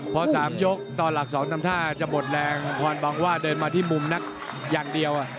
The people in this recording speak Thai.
พอ๓ยกตอนหลัก๒ทำท่าจะหมดแรงพรบังว่าเดินมาที่มุมนักอย่างเดียว